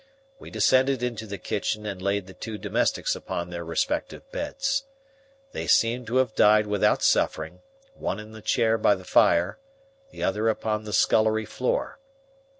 We descended into the kitchen and laid the two domestics upon their respective beds. They seemed to have died without suffering, one in the chair by the fire, the other upon the scullery floor.